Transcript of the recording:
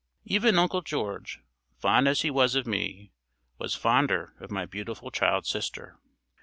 Even Uncle George, fond as he was of me, was fonder of my beautiful child sister.